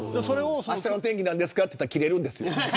あしたの天気、何ですかと言ったら切れるんですよ。